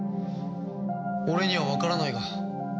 俺にはわからないが。